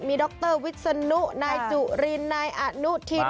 ดรวิศนุนายจุรินนายอนุทิน